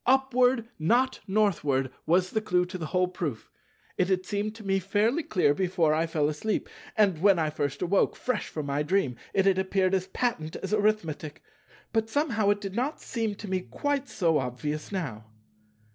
"Upward, not Northward"—was the clue to the whole proof. It had seemed to me fairly clear before I fell asleep; and when I first awoke, fresh from my dream, it had appeared as patent as Arithmetic; but somehow it did not seem to me quite so obvious now.